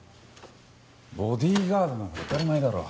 ボディーガードなら当たり前だろ。